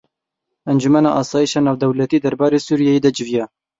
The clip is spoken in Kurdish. Encûmena Asayişa Navdewletî derbarê Sûriyeyê de civiya.